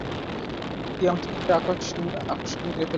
তিয়ামুতকে অকস্মাৎ মেরে ফেললে?